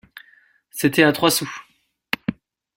C’était à trois sous.